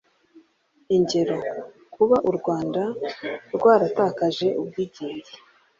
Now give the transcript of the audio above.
ingero: kuba u rwanda rwaratakaje ubwigenge,